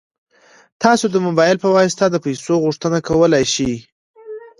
تاسو د موبایل په واسطه د پيسو غوښتنه کولی شئ.